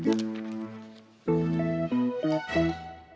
saya sudah malam kali ini